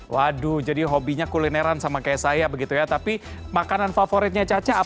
waduh jadi hobinya kulineran sama kayak saya begitu ya tapi makanan favoritnya caca apa